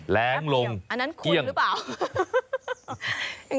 แร้งลงเกี้ยงอันนั้นขุนหรือเปล่า